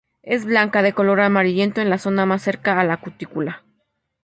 Es blanca, de color amarillento en la zona más cercana a la cutícula.